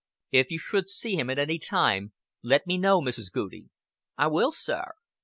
"If you should see him, at any time, let me know, Mrs. Goudie." "I will, sir."